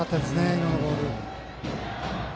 今のボールを。